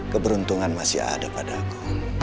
keberuntungan masih ada padaku